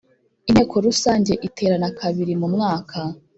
inteko rusange iterana kabirimu mwaka